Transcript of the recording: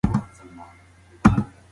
موږ د خپلو ادیبانو په خدمت ویاړو.